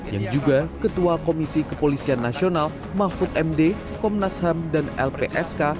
yang juga ketua komisi kepolisian nasional mahfud md komnas ham dan lpsk